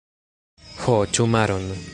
Ho, ĉu maron?